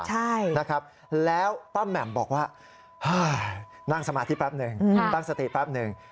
ใช่นะครับแล้วป้าแหม่มบอกว่านั่งสมาธิแป๊บหนึ่งตั้งสติแป๊บหนึ่ง